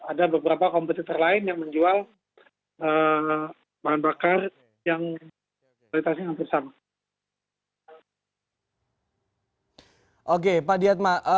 ada beberapa kompetitor lain yang menjual bahan bakar yang kualitasnya hampir sama